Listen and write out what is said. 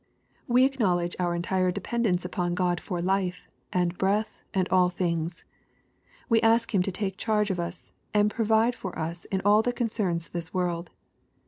We acknowledge our entire dependence upon God for life, and breath, and all things. We ask Him to take charge of us, and provide for us in all that concerns this world.